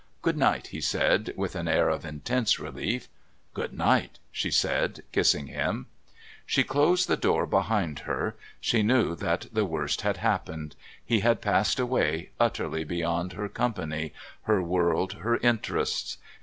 "Good night," he said, with an air of intense relief. "Good night," she said, kissing him. She closed the door behind her. She knew that the worst had happened. He had passed away, utterly beyond her company, her world, her interests.